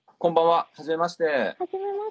はじめまして。